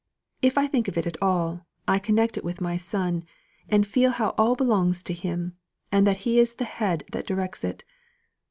If I think of it at all, I connect it with my son, and feel how all belongs to him, and that his is the head that directs it.